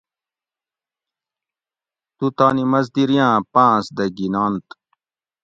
تو تانی مزدیریاں پانس دہ گھینونت